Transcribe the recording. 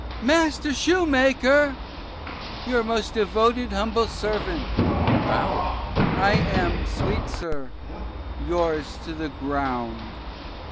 Master Shoe maker, your most devoted humble servant (bowing), I am, sweet sir, yours to the ground.